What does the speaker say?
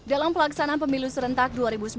dalam pelaksanaan pemilu serentak dua ribu sembilan belas